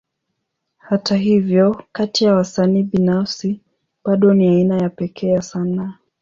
Hata hivyo, kati ya wasanii binafsi, bado ni aina ya pekee ya sanaa.